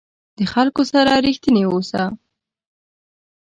د خلکو سره رښتینی اوسه.